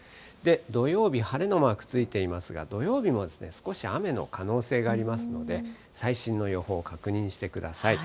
土曜日、晴れのマークついていますが、土曜日も少し雨の可能性がありますので、最新の予報を確認してください。